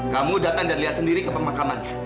kamu datang dan lihat sendiri ke pemakamannya